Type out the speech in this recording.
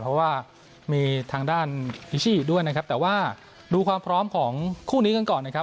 เพราะว่ามีทางด้านพิชชี่อยู่ด้วยนะครับแต่ว่าดูความพร้อมของคู่นี้กันก่อนนะครับ